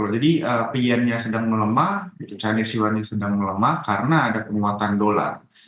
jadi pn nya sedang melemah chinese yuan nya sedang melemah karena ada penyumatan dolar